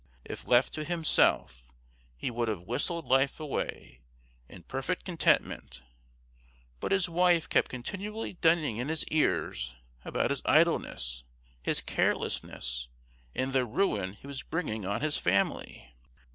If left to himself, he would have whistled life away, in perfect contentment; but his wife kept continually dinning in his ears about his idleness, his carelessness, and the ruin he was bringing on his family.